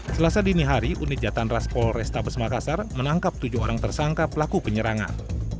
selasa dini hari unit jatahan ras polres tabus makassar menangkap tujuh orang tersangka pelaku penyerangan